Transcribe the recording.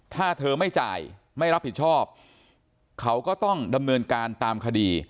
ถ้าเธอไม่จ่ายไม่รับผิดชอบเขาก็ต้องดำเนินการตามคดี